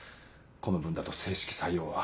この分だと正式採用は。